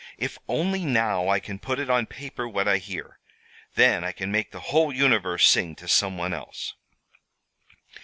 If only now I can put it on paper what I hear! Then I can make the whole universe sing to some one else!"